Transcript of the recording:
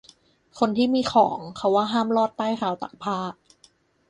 คนที่มีของ เขาว่าห้ามลอดใต้ราวตากผ้า